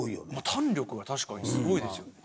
胆力は確かにすごいですよね。